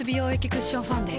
クッションファンデ